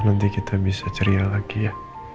nanti kita bisa ceria lagi ya